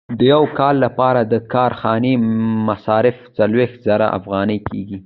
د یو کال لپاره د کارخانې مصارف څلوېښت زره افغانۍ کېږي